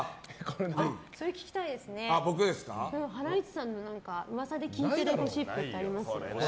ハライチさんの噂で聞いているゴシップってありますか？